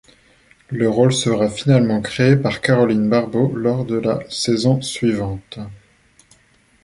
Le rôle sera finalement créé par Caroline Barbot lors de la saison suivante.